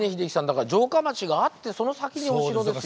だから城下町があってその先にお城ですよ。